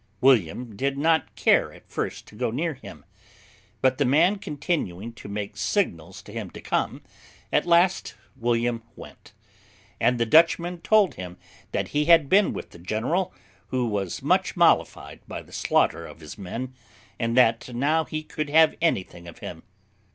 William did not care at first to go near him, but the man continuing to make signals to him to come, at last William went; and the Dutchman told him that he had been with the general, who was much mollified by the slaughter of his men, and that now he could have anything of him.